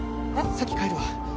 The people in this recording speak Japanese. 先帰るわ